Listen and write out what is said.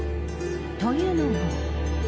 というのも。